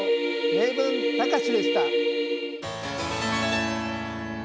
「名文たかし」でした。